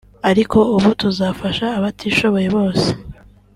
ariko ubu tuzafasha abatishoboye bose